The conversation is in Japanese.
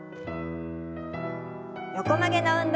横曲げの運動です。